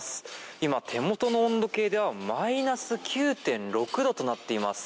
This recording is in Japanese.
今、手元の温度計ではマイナス９．６度となっています。